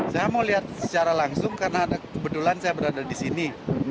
saya mau lihat secara langsung karena ada kebetulan saya berada di sini